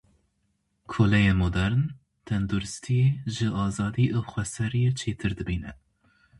Koleyê modern, tenduristiyê ji azadî û xweseriyê çêtir dibîne.